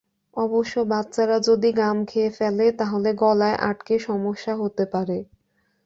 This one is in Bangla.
অবশ্য বাচ্চারা যদি গাম খেয়ে ফেলে, তাহলে গলায় আটকে সমস্যা হতে পারে।